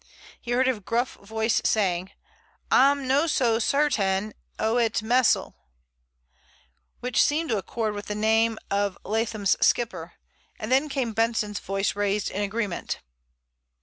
He heard a gruff voice saying: "Ah'm no so sairtain o' it mesel'," which seemed to accord with the name of Leatham's skipper, and then came Benson's voice raised in agreement.